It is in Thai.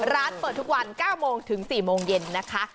ร้านเปิดทุกวัน๙โมงถึง๔โมงเย็นนะคะ